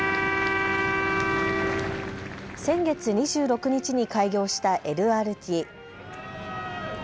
先月２６日に開業したＬＲＴ。